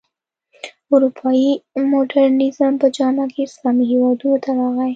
اروپايي مډرنیزم په جامه کې اسلامي هېوادونو ته راغی.